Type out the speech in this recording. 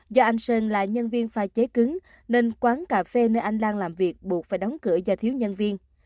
do anh sơn là nhân viên pha chế cứng nên quán cà phê nơi anh lan làm việc buộc phải đóng cửa do thiếu nhân viên